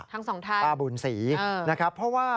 ทั้งสองท่านป้าบุญศรีนะครับเพราะว่า